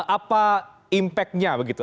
apa impactnya begitu